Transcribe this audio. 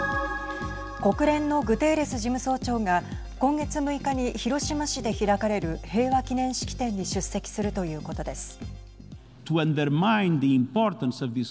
国連のグテーレス事務総長が今月６日に広島市で開かれる平和記念式典に出席するということです。